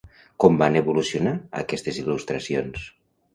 Com van evolucionar aquestes il·lustracions?